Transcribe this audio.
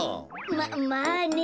ままあね。